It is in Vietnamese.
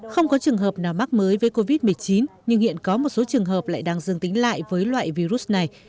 không có trường hợp nào mắc mới với covid một mươi chín nhưng hiện có một số trường hợp lại đang dương tính lại với loại virus này